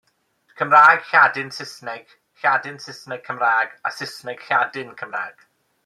Cymraeg-Lladin-Saesneg, Lladin-Saesneg-Cymraeg a Saesneg-Lladin-Cymraeg.